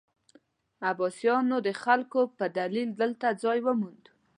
عباسیانو د خلکو په دلیل دلته ځای وموند.